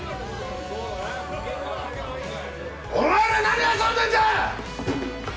お前ら何遊んでんだ‼